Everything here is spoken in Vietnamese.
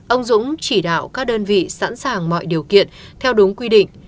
ông dũng chỉ đạo các đơn vị sẵn sàng mọi điều kiện theo đúng quy định